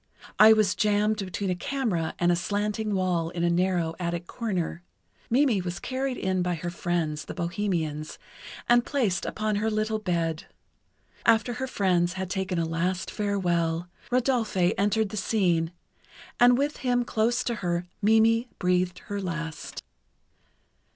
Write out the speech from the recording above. I was jammed between a camera and a slanting wall in a narrow attic corner. Mimi was carried in by her friends, the bohemians, and placed upon her little bed. After her friends had taken a last farewell, Rodolphe entered the scene, and with him close to her Mimi breathed her last.